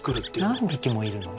何匹もいるの？